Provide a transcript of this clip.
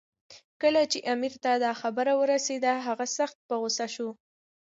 کله چې امیر ته دا خبر ورسېد، هغه سخت په غوسه شو.